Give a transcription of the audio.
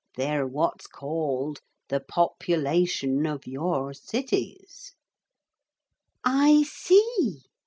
They're what's called the population of your cities.' 'I see.